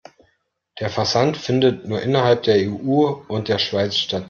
Der Versand findet nur innerhalb der EU und der Schweiz statt.